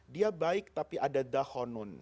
dia baik tapi ada dahonun